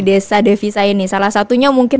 desa devisa ini salah satunya mungkin